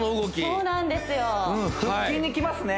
そうなんですね